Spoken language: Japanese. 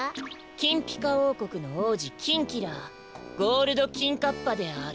キンピカおうこくの王子キンキラゴールドキンカッパである！